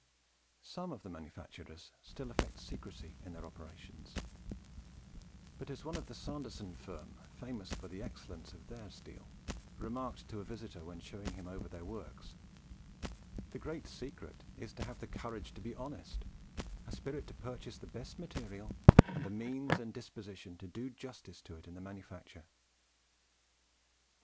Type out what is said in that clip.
Some of the manufacturers still affect secrecy in their operations; but as one of the Sanderson firm famous for the excellence of their steel remarked to a visitor when showing him over their works, "the great secret is to have the courage to be honest a spirit to purchase the best material, and the means and disposition to do justice to it in the manufacture."